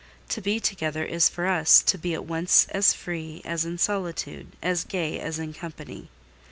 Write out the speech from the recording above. To be together is for us to be at once as free as in solitude, as gay as in company.